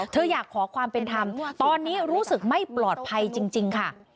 อยากขอความเป็นธรรมตอนนี้รู้สึกไม่ปลอดภัยจริงค่ะ